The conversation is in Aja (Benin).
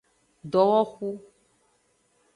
Dowohu.